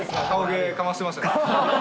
顔芸かましてましたね。